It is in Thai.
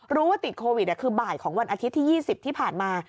ว่าติดโควิดคือบ่ายของวันอาทิตย์ที่๒๐ที่ผ่านมา